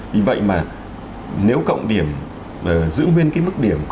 vì vậy mà nếu cộng điểm giữ nguyên cái mức điểm